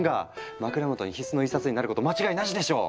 枕元に必須の１冊になること間違いなしでしょう！